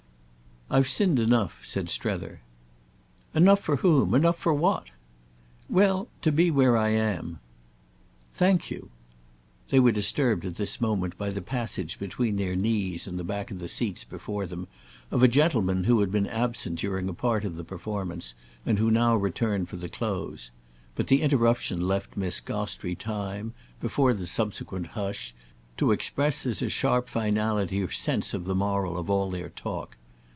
"I've sinned enough," said Strether. "Enough for whom? Enough for what?" "Well, to be where I am." "Thank you!" They were disturbed at this moment by the passage between their knees and the back of the seats before them of a gentleman who had been absent during a part of the performance and who now returned for the close; but the interruption left Miss Gostrey time, before the subsequent hush, to express as a sharp finality her sense of the moral of all their talk.